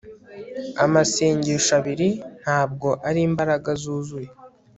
Amasengesho abiri ntabwo ari imbaraga zuzuye